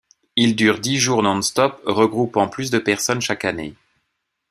Il dure dix jours non-stop, regroupant plus de personnes chaque année.